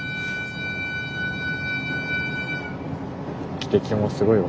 汽笛もすごいわ。